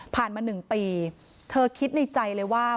มา๑ปีเธอคิดในใจเลยว่า